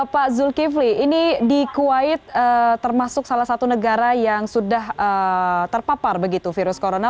pak zulkifli ini di kuwait termasuk salah satu negara yang sudah terpapar begitu virus corona